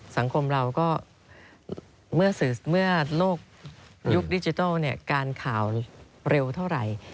สังคมเราก็เมื่อโลกยุคดิจิทัลการข่าวเร็วเท่าไหร่